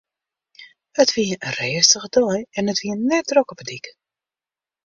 It wie in rêstige dei en it wie net drok op 'e dyk.